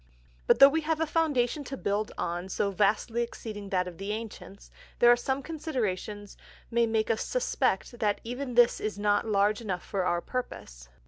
But though we have a Foundation to build on so vastly exceeding that of the Ancients, there are some Considerations may make us suspect that even this is not large enough for our purpose.